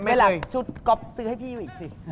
เวลาชุดกรอบซื้อให้พี่อยู่อีกสิ